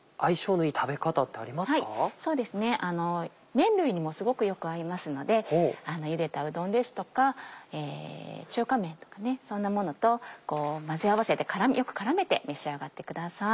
麺類にもすごくよく合いますのでゆでたうどんですとか中華麺とかそんなものと混ぜ合わせてよく絡めて召し上がってください。